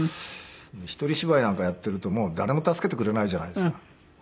一人芝居なんかやっているともう誰も助けてくれないじゃないですか。